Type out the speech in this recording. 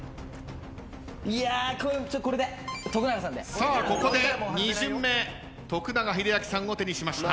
さあここで２巡目永明さんを手にしました。